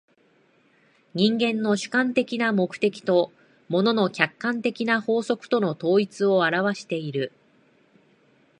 人間の主観的な目的と物の客観的な法則との統一を現わしている。